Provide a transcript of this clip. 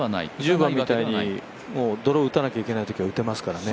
１０番みたいにドロー打たなきゃいけないときは打てますからね。